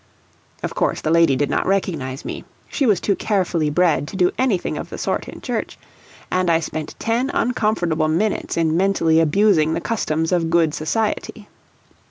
Of course the lady did not recognize me she was too carefully bred to do anything of the sort in church, and I spent ten uncomfortable minutes in mentally abusing the customs of good society.